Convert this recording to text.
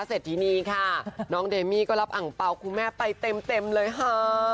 เสร็จที่นี่ค่ะน้องเดมี่ก็รับอังเปล่าคุณแม่ไปเต็มเลยค่ะ